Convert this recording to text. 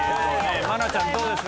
愛菜ちゃん、どうでした？